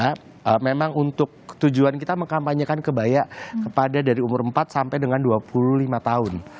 karena memang untuk tujuan kita mengkampanyekan kebaya kepada dari umur empat sampai dengan dua puluh lima tahun